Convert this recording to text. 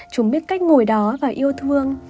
chúng biết cách ngồi đó và yêu thương